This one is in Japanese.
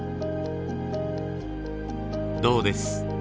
どうです？